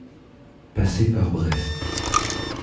Passer par Brest.